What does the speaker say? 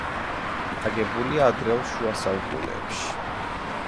აგებულია ადრეულ შუა საუკუნეებში.